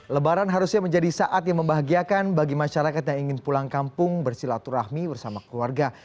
lebaran harusnya menjadi saat yang membahagiakan bagi masyarakat yang ingin pulang kampung bersilaturahmi bersama keluarga